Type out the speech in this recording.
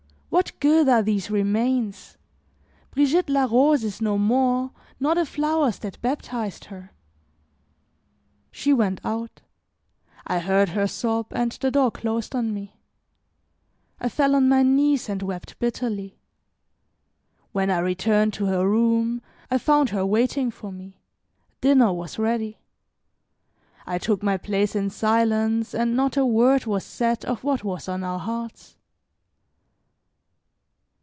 What good are these remains? Brigitte la Rose is no more, nor the flowers that baptized her." She went out; I heard her sob, and the door closed on me; I fell on my knees and wept bitterly. When I returned to her room, I found her waiting for me; dinner was ready. I took my place in silence, and not a word was said of what was on our hearts.